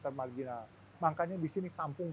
termarjinalkan makanya di sini kampung